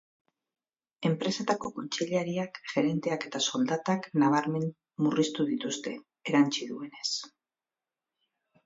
Enpresetako kontseilariak, gerenteak eta soldatak nabarmen murriztu dituzte, erantsi duenez.